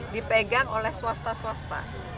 dipegang oleh swasta swasta